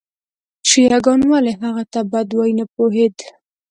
شیعه ګان ولې هغه ته بد وایي نه پوهېد.